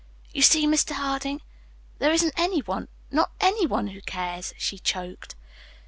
"You see, Mr. Harding, there isn't any one not any one who cares," she choked.